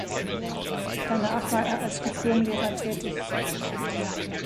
Danach war er als Diplomlehrer tätig.